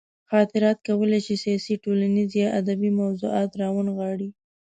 خاطرات کولی شي سیاسي، ټولنیز یا ادبي موضوعات راونغاړي.